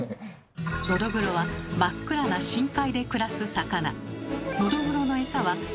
ノドグロは真っ暗な深海で暮らす魚。